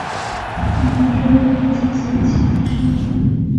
猛鹿是日本将棋的棋子之一。